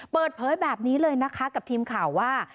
เปิดเผยแบบนี้เลยนะคะกับทีมข่าวว่า